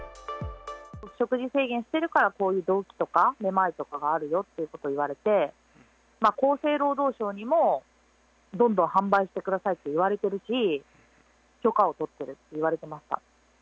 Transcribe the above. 食事制限してるから、こういうどうきとか、めまいとかがあるよっていうことを言われて、厚生労働省にも、どんどん販売してくださいって言われているし、許可を取ってるっ